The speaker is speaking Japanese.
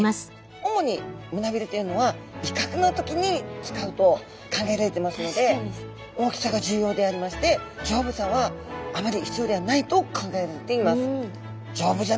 主に胸びれというのは威嚇の時に使うと考えられてますので大きさが重要でありまして丈夫さはあまり必要ではないと考えられています。